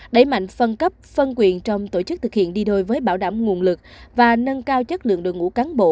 đẩy mạnh phân cấp phân quyền trong tổ chức thực hiện đi đôi với bảo đảm nguồn lực và nâng cao chất lượng đội ngũ cán bộ